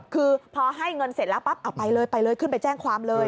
คือพอให้เงินเสร็จแล้วปั๊บเอาไปเลยไปเลยขึ้นไปแจ้งความเลย